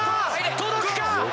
届くか？